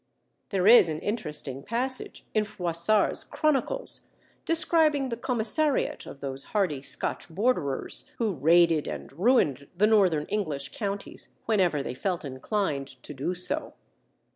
There is an interesting passage in Froissart's Chronicles describing the commissariat of those hardy Scotch borderers who raided and ruined the northern English counties whenever they felt inclined to do so.